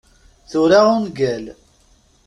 Tura ungal.